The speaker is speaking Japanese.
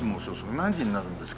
何時に鳴るんですか？